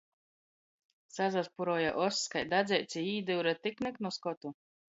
Sasaspuruoja oss kai dadzeits i īdyure tik noknu skotu.